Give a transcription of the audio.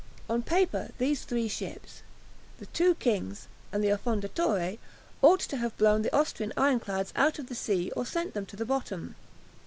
On paper these three ships, the two "Kings" and the "Affondatore," ought to have blown the Austrian ironclads out of the sea or sent them to the bottom.